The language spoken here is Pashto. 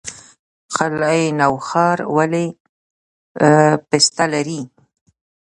قلعه نو ښار ولې پسته لري؟